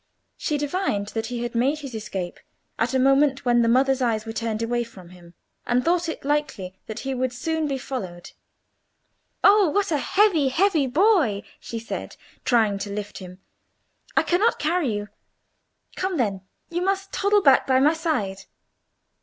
She divined that he had made his escape at a moment when the mother's eyes were turned away from him, and thought it likely that he would soon be followed. "Oh, what a heavy, heavy boy!" she said, trying to lift him. "I cannot carry you. Come, then, you must toddle back by my side."